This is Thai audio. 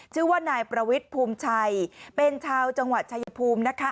ชื่อว่านายประวิทย์ภูมิชัยเป็นชาวจังหวัดชายภูมินะคะ